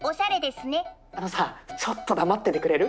あのさちょっと黙っててくれる？